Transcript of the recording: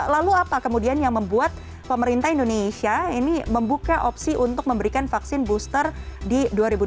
lalu apa kemudian yang membuat pemerintah indonesia ini membuka opsi untuk memberikan vaksin booster di dua ribu dua puluh